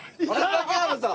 槙原さん！